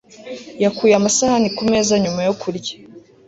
yakuye amasahani kumeza nyuma yo kurya